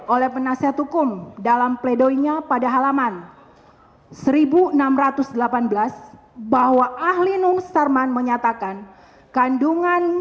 oleh penasihat hukum dalam pledoinya pada halaman seribu enam ratus delapan belas bahwa ahli nung starman menyatakan kandungan